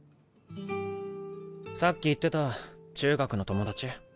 さっき言ってた中学の友達？